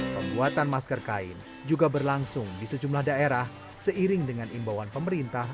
pembuatan masker kain juga berlangsung di sejumlah daerah seiring dengan imbauan pemerintah